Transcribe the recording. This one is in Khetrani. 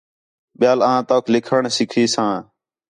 ٻیال آں توک لِکھݨ سِکّھی ساں